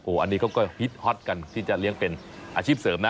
อันนี้เขาก็ฮิตฮอตกันที่จะเลี้ยงเป็นอาชีพเสริมนะ